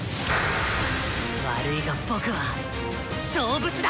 悪いが僕は勝負師だ！